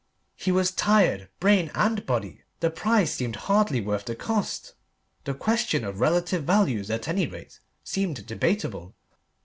He was tired, brain and body. The prize seemed hardly worth the cost. The question of relative values, at any rate, seemed debatable.